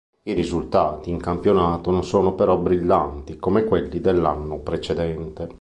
I risultati in campionato non sono però brillanti come quelli dell'anno precedente.